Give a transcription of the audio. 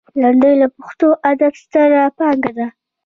لنډۍ د پښتو ادب ستره پانګه ده.